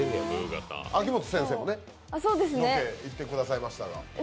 秋元先生もロケ行ってくださいましたが？